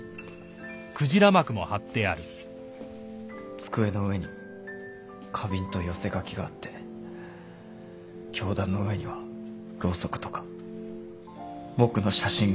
机の上に花瓶と寄せ書きがあって教壇の上にはろうそくとか僕の写真が。